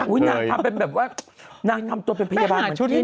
อุ๊ยทำเป็นแบบว่านำตัวเป็นพยาบาลเหมือนชุดที่ไหน